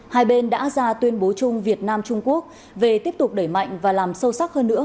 hai bên đã ra tuyên bố chung việt nam trung quốc về tiếp tục đẩy mạnh và làm sâu sắc hơn nữa